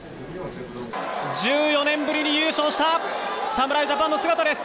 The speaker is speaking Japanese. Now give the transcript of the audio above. １４年ぶりに優勝した侍ジャパンの姿です。